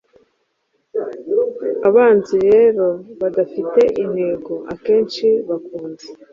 Abanzi rero badafite intego akenshi bakunze